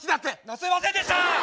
すいませんでした！